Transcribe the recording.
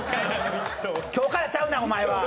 今日からちゃうな、お前は！